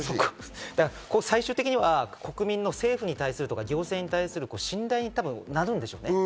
最終的には国民の政府に対するというか行政に対する信頼になるんでしょうね。